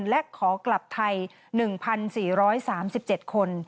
และขอกลับไทย๑๔๓๗คน